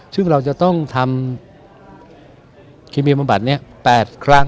ซึ่งเราจะต้องทำเคมีปับบัตรเนี่ย๘ครั้ง